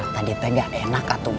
tadi teh nggak enak katung